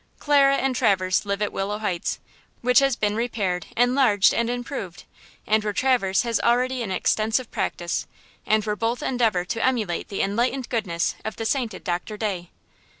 Clara and Traverse live at Willow Heights, which has been repaired, enlarged and improved, and where Traverse has already an extensive practice, and where both endeavor to emulate the enlightened goodness of the sainted Doctor Day.